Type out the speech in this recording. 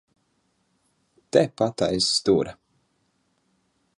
Tepat aiz stūra.